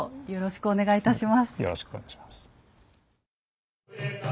よろしくお願いします。